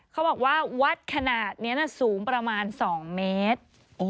เขาบอกว่าวัดขนาดนี้สูงประมาณ๒เมตร